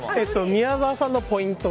宮澤さんに２ポイント。